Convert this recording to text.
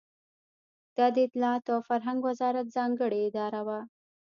دا د اطلاعاتو او فرهنګ وزارت ځانګړې اداره وه.